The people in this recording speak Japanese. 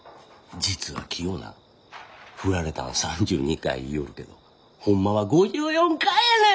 実はキヨな振られたん３２回言いよるけどホンマは５４回やねん！